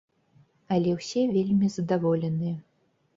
Але ўсе вельмі задаволеныя.